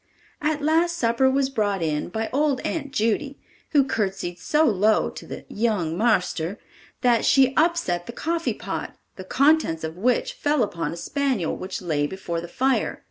At last supper was brought in by old Aunt Judy, who courtesied so low to the "young marster," that she upset the coffee pot, the contents of which fell upon a spaniel, which lay before the fire.